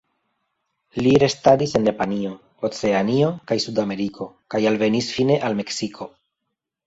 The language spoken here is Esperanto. Li restadis en Japanio, Oceanio kaj Sudameriko, kaj alvenis fine al Meksiko.